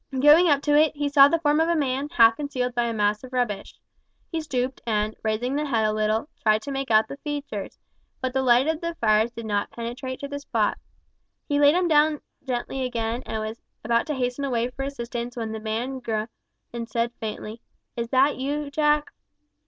Going up to it, he saw the form of a man half concealed by a mass of rubbish. He stooped, and, raising the head a little, tried to make out the features, but the light of the fires did not penetrate to the spot. He laid him gently down again, and was about to hasten away for assistance when the man groaned and said faintly, "Is that you, Jack?"